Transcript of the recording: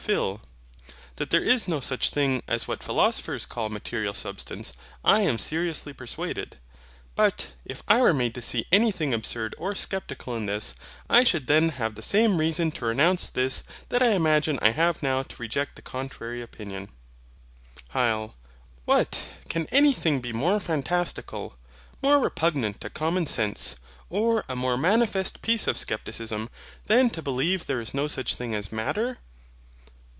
PHIL. That there is no such thing as what PHILOSOPHERS CALL MATERIAL SUBSTANCE, I am seriously persuaded: but, if I were made to see anything absurd or sceptical in this, I should then have the same reason to renounce this that I imagine I have now to reject the contrary opinion. HYL. What I can anything be more fantastical, more repugnant to Common Sense, or a more manifest piece of Scepticism, than to believe there is no such thing as MATTER?